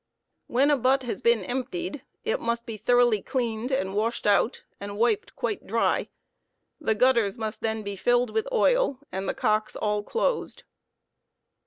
When a butt has been emptied, it must be thoroughly cleaned and washed out and wiped quite dry; the gutters must then be filled with oil and the cocks all closed.